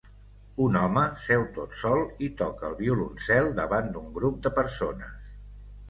Un home seu tot sol i toca el violoncel davant d'un grup de persones